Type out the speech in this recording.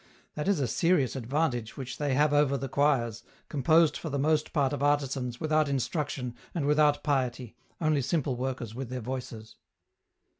That is a serious advantage which they have over the choirs, composed for the most part of artisans without instruction and without piety, only simple workers with their voices.